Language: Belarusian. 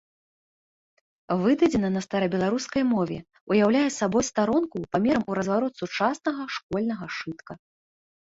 Выдадзена на старабеларускай мове, уяўляе сабой старонку памерам у разварот сучаснага школьнага сшытка.